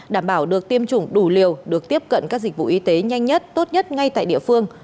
đảm bảo được tiêm chủng đủ liều được tiếp cận các dịch vụ y tế nhanh nhất tốt nhất ngay tại địa phương